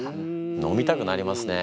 飲みたくなりますね。